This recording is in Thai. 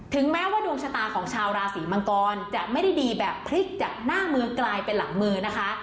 แม้ว่าดวงชะตาของชาวราศีมังกรจะไม่ได้ดีแบบพลิกจากหน้ามือกลายเป็นหลังมือนะคะ